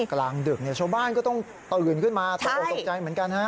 กลางดึกชาวบ้านก็ต้องตื่นขึ้นมาตกออกตกใจเหมือนกันฮะ